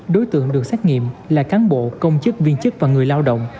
đối tượng được xét nghiệm là cán bộ công chức viên chức và người lao động